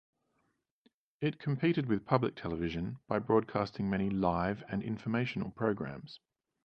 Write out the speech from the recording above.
It competed with public television by broadcasting many live and informational programmes.